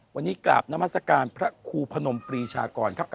วันนี้กราบน้ำมัศกาลพระคูพนมพรีศากร